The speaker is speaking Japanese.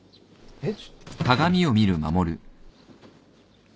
えっ？